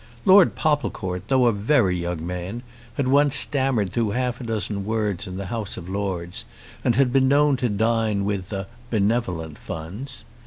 Lord Popplecourt, though a very young man, had once stammered through half a dozen words in the House of Lords, and had been known to dine with the "Benevolent Funds."